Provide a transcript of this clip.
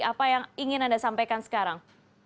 apa yang ingin anda sampaikan sekarang